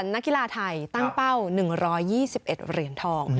นักกีฬาไทยตั้งเป้า๑๒๑เหรียญทอง